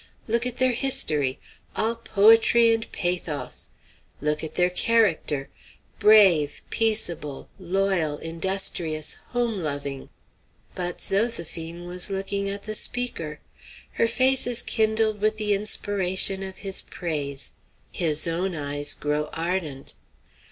Look at their history! all poetry and pathos! Look at their character! brave, peaceable, loyal, industrious, home loving" But Zoséphine was looking at the speaker. Her face is kindled with the inspiration of his praise. His own eyes grow ardent.